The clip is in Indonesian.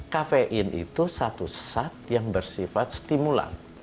kafein itu satu zat yang bersifat stimulan